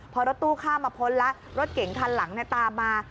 พอรถตู้ข้ามมาพ้นแล้วรถเก่งคันหลังตามมา